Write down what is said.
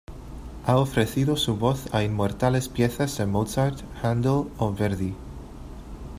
Ha ofrecido su voz a inmortales piezas de Mozart, Haendel o Verdi.